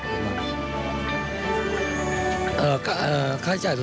ทุกคนมาด้วยใจนะครับ